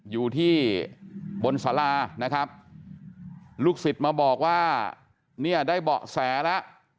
อยู่ที่บนสารานะครับลูกศิษย์มาบอกว่าเนี่ยได้เบาะแสแล้ว